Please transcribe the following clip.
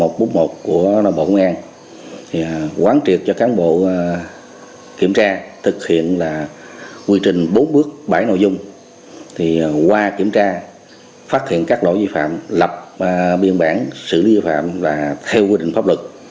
thông tư một của đồng bộ quân an quán triệt cho cán bộ kiểm tra thực hiện là quy trình bốn bước bảy nội dung qua kiểm tra phát hiện các lỗi vi phạm lập biên bản xử lý vi phạm theo quy định pháp lực